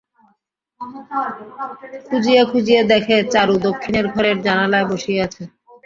খুঁজিয়া খুঁজিয়া দেখে, চারু দক্ষিণের ঘরের জানালায় বসিয়া আছে।